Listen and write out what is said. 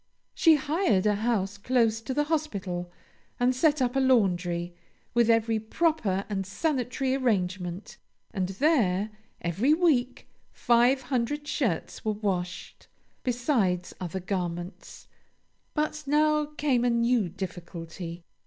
She hired a house close by the hospital, and set up a laundry, with every proper and sanitary arrangement, and there, every week, five hundred shirts were washed, besides other garments. But now came a new difficulty.